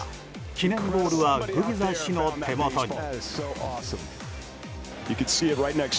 記念ボールはグビザ氏の手元に。